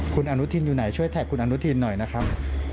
คุณอนุทินอยู่ไหนช่วยแท็กคุณอนุทินหน่อยนะครับ